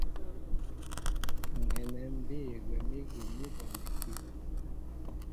Ŋ̀ hɛnɛ ḿ bîy gwɛ̌m ígi ni bɔnɛkí.